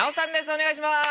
お願いします。